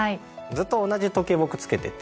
ずっと同じ時計を僕着けてて。